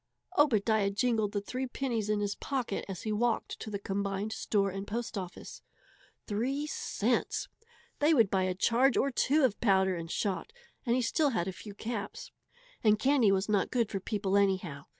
Obadiah jingled the three pennies in his pocket as he walked to the combined store and post office. Three cents! They would buy a charge or two of powder and shot, and he still had a few caps. And candy was not good for people anyhow!